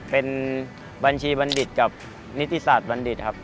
เป็นบัญชีบัณฑิตกับนิติศาสตร์บัณฑิตครับ